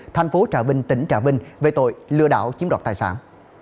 thành phố trà vinh tỉnh trà vinh về tội lừa đảo chiếm đoạt tài sản